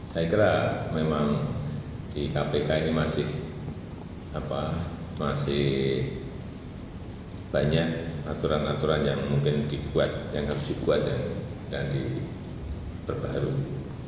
saya kira memang di kpk ini masih banyak aturan aturan yang mungkin dibuat yang harus dibuat dan diperbarui